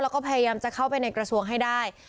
แล้วก็พยายามจะเข้าไปในกระทรวงให้ได้